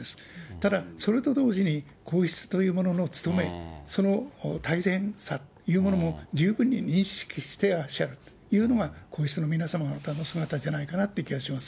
ただ、それと同時に、皇室というものの務め、その大変さというものも、十分に認識してらっしゃるというのが、皇室の皆様方の姿じゃないかなという気がいたします。